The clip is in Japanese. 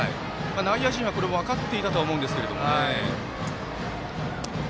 内野陣はこれ分かっていたと思うんですが。